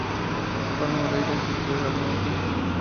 Juan Moreira existió realmente.